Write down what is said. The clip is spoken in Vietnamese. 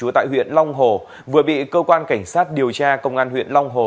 tại huyện long hồ vừa bị cơ quan cảnh sát điều tra công an huyện long hồ